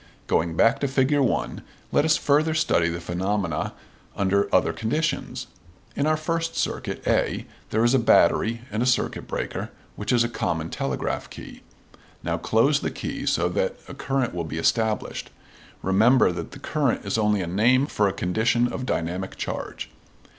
Going back to Fig. 1, let us further study the phenomena under other conditions. In our first circuit (A) there is a battery and a circuit breaker, which is a common telegraph key. Now close the key so that a current will be established. (Remember that "current" is only a name for a condition of dynamic charge.)